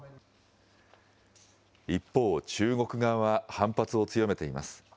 一方、中国側は反発を強めています。